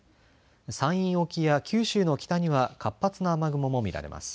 山陰沖や九州の北には活発な雨雲も見られます。